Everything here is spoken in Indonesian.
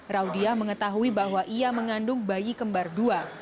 raudiah mengetahui bahwa ia mengandung bayi kembar dua